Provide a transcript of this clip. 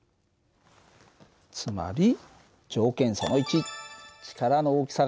つまり条件その１。